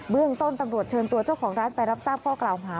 เมืองต้นตำรวจเชิญตัวเจ้าของร้านไปรับทราบข้อกล่าวหา